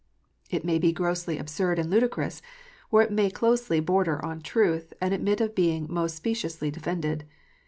It may be grossly absurd and ludicrous, or it may closely border on truth, and admit of being most speciously defended.